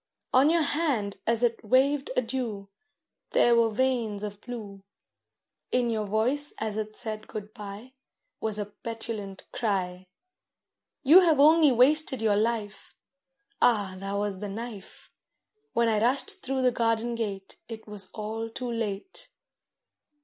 On your hand as it waved adieu There were veins of blue; In your voice as it said good bye Was a petulant cry, 'You have only wasted your life.' (Ah, that was the knife!) When I rushed through the garden gate It was all too late.